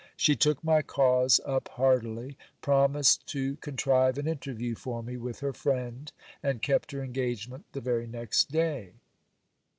She took my cause up heartily, promised to contrive an interview for me with her friend, and kept her engagement the very next day.